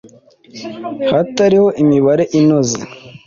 hatariho imibare inoze